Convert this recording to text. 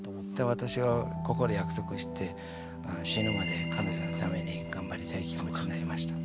私はここで約束して死ぬまで彼女のためにがんばりたい気持ちになりました。